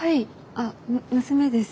あっ娘です。